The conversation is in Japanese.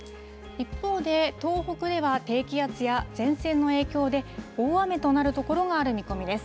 一方で、東北では低気圧や前線の影響で、大雨となる所がある見込みです。